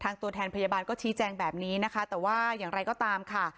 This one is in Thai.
ตัวแทนพยาบาลก็ชี้แจงแบบนี้นะคะแต่ว่าอย่างไรก็ตามค่ะ